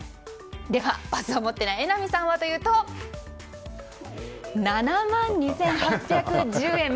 では、パスを持っていない榎並さんはというと７万２８１０円。